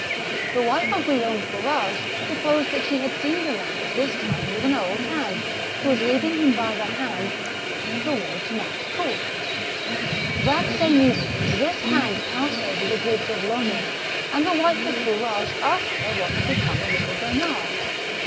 The wife of Guillaume Fourage deposed that she had seen the lad at this time with an old hag, who was leading him by the hand towards Machecoul. That same evening this hag passed over the bridge of Launay, and the wife of Fourage asked her what had become of Uttle Bernard.